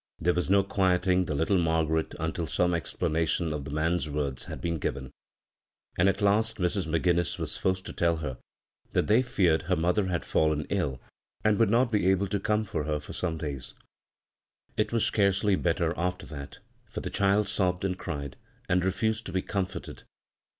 There was no quieting the litde Margaret until some ex planation of the man's words had been given ; and at last Mrs. McGinnis was forced to tell her that they feared her mother had fallen ill and would not be able to come for her for some days. It was scarcely better after that, for the child sobbed and cried, and refused to be comforted.